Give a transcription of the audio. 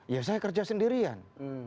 ya saya kerja sendirian